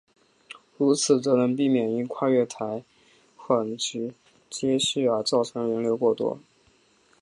如此则能避免因跨月台缓急接续而造成人流过多。